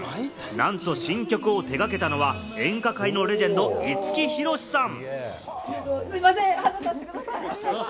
なんと新曲を手がけたのは演歌界のレジェンド・五木ひろしさん。